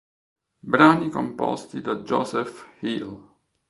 Brani composti da Joseph Hill.